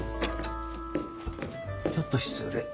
ちょっと失礼。